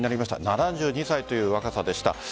７２歳という若さでした。